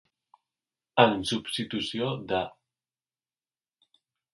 En substitució de.